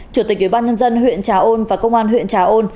chủ tịch ubnd huyện trà ôn và công an huyện trà ôn